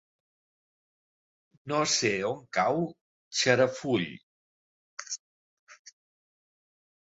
No sé on cau Xarafull.